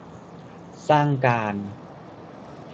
สร้างการ